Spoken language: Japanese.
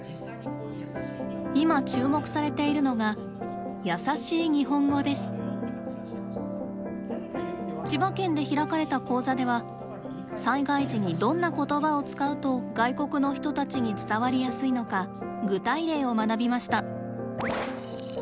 今注目されているのが千葉県で開かれた講座では災害時にどんな言葉を使うと外国の人たちに伝わりやすいのか具体例を学びました。